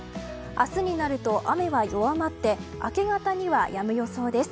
明日になると雨は弱まって明け方にはやむ予想です。